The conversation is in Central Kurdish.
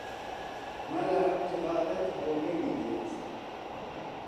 مەلا ئەم جغارەت بۆگەنی دێت!